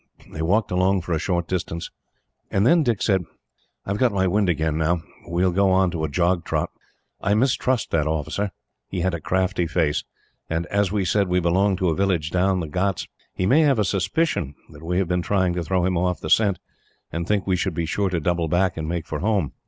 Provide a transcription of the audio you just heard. They walked along for a short distance, and then Dick said: "I have got my wind again, now. We will go on at a jog trot. I mistrust that officer. He had a crafty face, and as we said we belonged to a village down the ghauts, he may have a suspicion that we have been trying to throw him off our scent, and think we should be sure to double back and make for home."